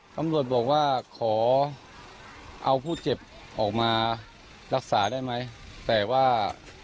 ตำรวจบอกว่าขอเอาผู้เจ็บออกมารักษาได้ไหมแต่ว่า